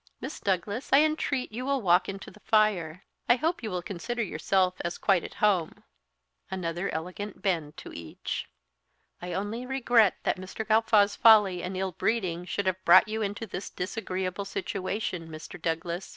Miss Douglas, I entreat you will walk into the fire; I hope you will consider yourself as quite at home" another elegant bend to each. "I only regret that Mr. Gawffaw's folly and ill breeding should have brought you into this disagreeable situation, Mr. Douglas.